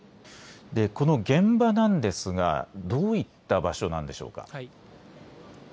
この現場なんですがどういった場所なんでしょうか。